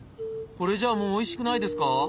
これじゃあもうおいしくないですか？